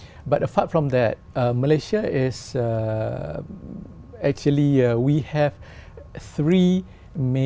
nhưng dù như thế ở malaysia chúng ta có ba cộng đồng thân thiết